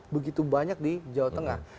begitu banyak di jawa tengah